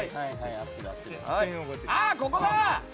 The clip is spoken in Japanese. あっ、ここだ！